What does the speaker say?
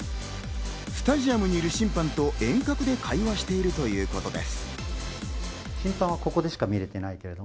スタジアムにいる審判と遠隔で会話しているということです。